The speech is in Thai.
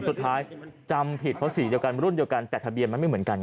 สุดท้ายจำผิดเพราะสีเดียวกันรุ่นเดียวกันแต่ทะเบียนมันไม่เหมือนกัน